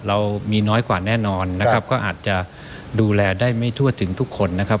เรามีน้อยกว่าแน่นอนนะครับก็อาจจะดูแลได้ไม่ทั่วถึงทุกคนนะครับ